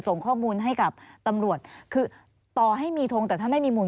ส่งข้อมูลให้กับตำรวจคือต่อให้มีทงแต่ถ้าไม่มีมูล